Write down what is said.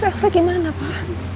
terus elsa gimana pak